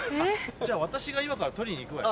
じゃあ私が今から取りに行くわよ。